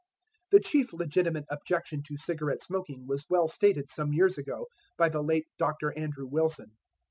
The chief legitimate objection to cigarette smoking was well stated some years ago by the late Dr. Andrew Wilson.